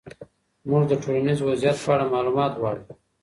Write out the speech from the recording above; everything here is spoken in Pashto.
موږ د ټولنیز وضعیت په اړه معلومات غواړو.